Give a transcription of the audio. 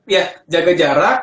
ya jaga jarak